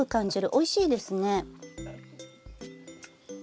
おいしいですね。